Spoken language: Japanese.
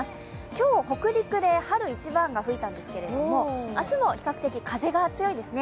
今日、北陸で春一番が吹いたんですが明日も比較的風が強いですね。